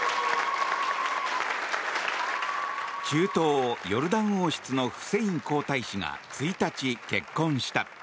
中東ヨルダン王室のフセイン皇太子が１日、結婚した。